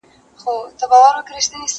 زه به سبزیحات جمع کړي وي!؟